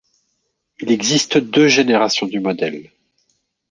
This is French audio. Il existe deux générations du modèle.